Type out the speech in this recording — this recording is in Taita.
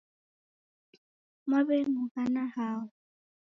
Mwaw'enughana hao?